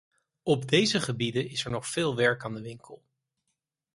Op deze gebieden is nog veel werk aan de winkel.